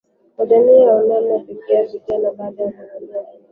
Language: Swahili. kwa jamii na kwa namna ya pekee kwa vijana Baada ya kuwa tumeangalia